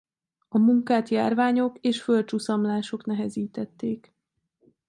A munkát járványok és földcsuszamlások nehezítették.